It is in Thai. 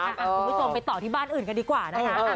คุณผู้ชมไปต่อที่บ้านอื่นกันดีกว่านะคะ